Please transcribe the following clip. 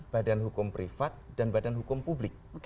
badan hukum privat dan badan hukum publik